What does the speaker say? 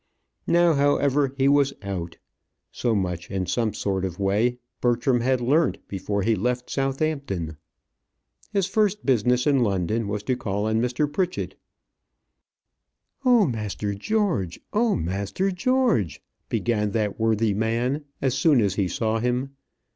Now, however, he was out. So much, in some sort of way, Bertram had learnt before he left Southampton. His first business in London was to call on Mr. Pritchett. "Oh, master George! oh, master George!" began that worthy man, as soon as he saw him.